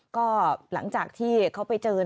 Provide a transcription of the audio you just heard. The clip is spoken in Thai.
ก็หลังจากที่เขาไปเจอ